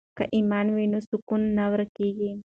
که ایمان وي نو سکون نه ورکیږي.